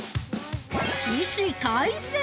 ◆起死回生！